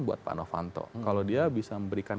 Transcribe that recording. buat pak novanto kalau dia bisa memberikan